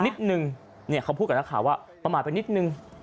นิดนึงเนี่ยเขาพูดกับนักข่าวว่าประมาทไปนิดนึง